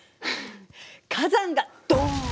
火山がドン！